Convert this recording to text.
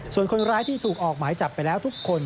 ส่วนคนร้ายที่ถูกออกหมายจับไปแล้วทุกคน